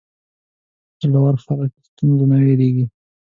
زړور خلک له ستونزو نه وېرېږي.